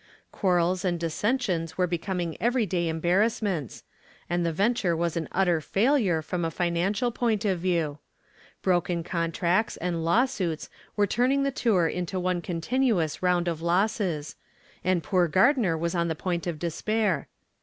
Quarrels and dissensions were becoming every day embarrassments, and the venture was an utter failure from a financial point of view. Broken contracts and lawsuits were turning the tour into one continuous round of losses, and poor Gardner was on the point of despair.